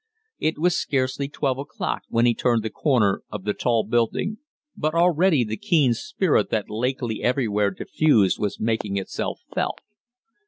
It was scarcely twelve o'clock when he turned the corner of the tall building, but already the keen spirit that Lakely everywhere diffused was making itself felt.